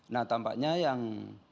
nah tampaknya yang